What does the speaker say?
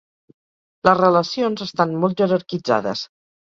Les relacions estan molt jerarquitzades.